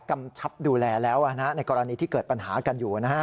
กำชับดูแลแล้วในกรณีที่เกิดปัญหากันอยู่นะฮะ